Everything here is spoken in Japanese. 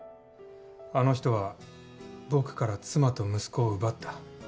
あの人は僕から妻と息子を奪った。